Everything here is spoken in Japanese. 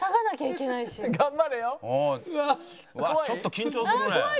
ちょっと緊張するね。